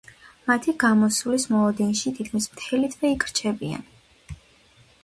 მათი გამოსვლის მოლოდინში, თითქმის მთელი თვე იქ რჩებიან.